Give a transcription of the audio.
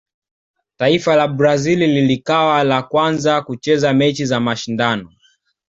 taifa la brazil lilikawa la kwanza kucheza mechi za mashindano